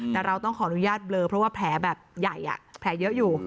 แต่เราต้องขออนุญาตเบลอเพราะว่าแผลแบบใหญ่แผลเยอะอยู่